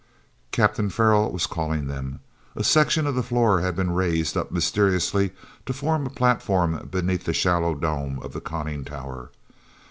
Captain Farrell was calling them. A section of the floor had been raised up mysteriously to form a platform beneath the shallow dome of the conning tower.